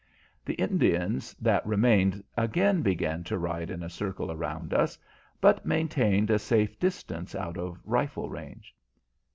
The Indians that remained again began to ride in a circle around us, but maintained a safe distance out of rifle range.